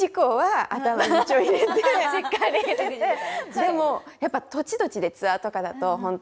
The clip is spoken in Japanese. でもやっぱ土地土地でツアーとかだと本当